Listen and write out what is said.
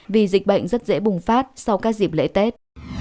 vì dịch bệnh rất dễ bùng phát sau các dịp lễ tết